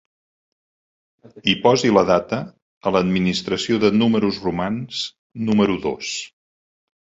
Hi posi la data a l'administració de números romans número dos.